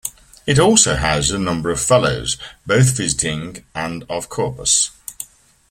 It also houses a number of fellows, both visiting and of Corpus.